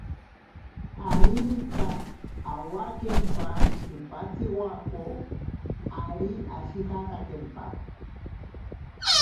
Aririka awakempa kipatsiwako, ari ashijatakempa.